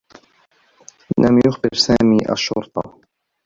لم يخبر سامي الشّرطة.